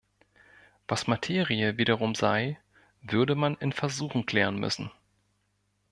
Was Materie wiederum sei, würde man in Versuchen klären müssen.